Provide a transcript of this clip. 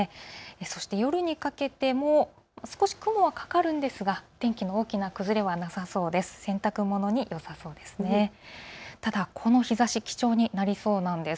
そして夜にかけても少し雲がかかるんですが天気の大きな崩れはなさそうです。